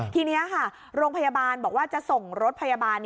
ทีนี้ค่ะโรงพยาบาลบอกว่าจะส่งรถพยาบาล